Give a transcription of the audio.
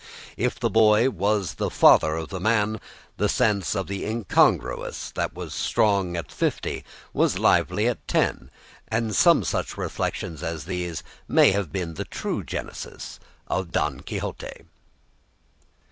If the boy was the father of the man, the sense of the incongruous that was strong at fifty was lively at ten, and some such reflections as these may have been the true genesis of "Don Quixote."